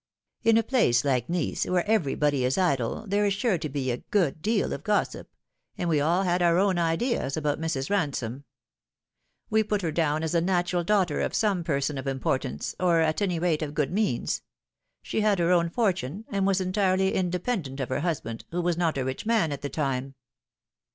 In a place like Nice, where everybody is idle, there is sure to be a good deal of gossip, and we all had our own ideas about Mrs. Bansome. We put her down as the natural daughter of some person of importance, or, at any rate, of good means. She had her own fortune, and was entirely independent of her husband, who was not a rich man at that time."